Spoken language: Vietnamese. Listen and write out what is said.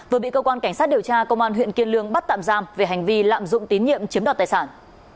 vừa bị cơ quan cảnh sát điều tra công an huyện kiên lương bắt tạm giam về hành vi lạm dụng tín nhiệm chiếm đoạt tài sản